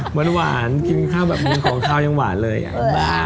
หมุนหวานกินข้าวกับเนินของข้าวยังหวานบ้า